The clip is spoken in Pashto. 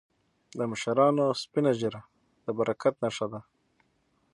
د مشرانو سپینه ږیره د برکت نښه ده.